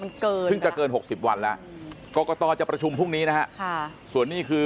มันเกินแล้วมันเกิน๖๐วันแล้วก็ต่อจะประชุมพรุ่งนี้นะครับส่วนนี้คือ